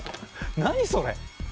何それ？